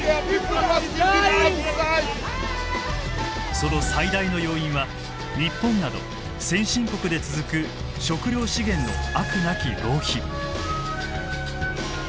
その最大の要因は日本など先進国で続く食料資源の飽くなき浪費。